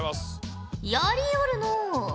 やりよるのう。